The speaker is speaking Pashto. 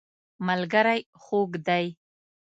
ملګری خوږ دی.